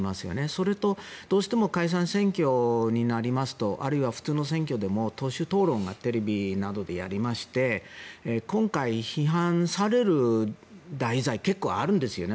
それと、どうしても解散選挙になりますとあるいは普通の選挙でも党首討論をテレビなどでやりまして今回、批判される題材結構あるんですよね。